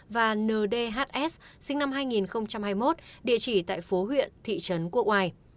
và ndhs sinh năm hai nghìn hai mươi một địa chỉ tại phố huyện thị trấn quốc oai